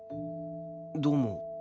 どうも。